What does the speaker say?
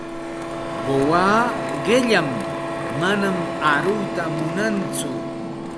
Quwaa qilam, manam aruyta munantsu.